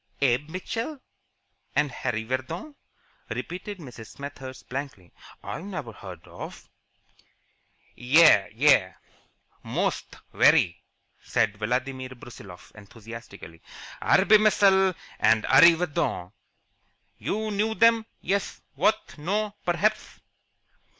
"Abe Mitchell and Harry Vardon?" repeated Mrs. Smethurst, blankly. "I never heard of " "Yais! Yais! Most! Very!" shouted Vladimir Brusiloff, enthusiastically. "Arbmishel and Arreevadon. You know them, yes, what, no, perhaps?"